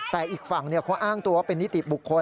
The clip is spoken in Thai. แต่อีกฝั่งเขาอ้างตัวว่าเป็นนิติบุคคล